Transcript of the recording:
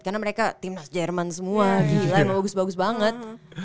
karena mereka timnas jerman semua gila emang bagus bagus banget